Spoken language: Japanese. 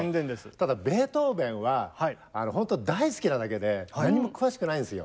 ただベートーベンはあのほんと大好きなだけで何も詳しくないですよ。